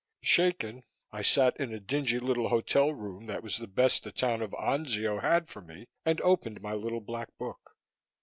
Shaken, I sat in the dingy little hotel room that was the best the town of Anzio had for me and opened my little Black Book.